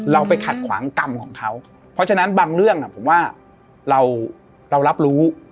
ไปขัดขวางกรรมของเขาเพราะฉะนั้นบางเรื่องผมว่าเรารับรู้